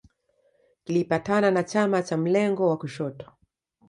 Kilipatana na chama cha mlengo wa kushoto